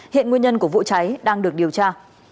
hiện nguyên nhân của vụ cháy đang được điều tra